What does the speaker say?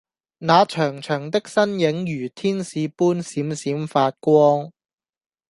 那長長的身影如天使般閃閃發光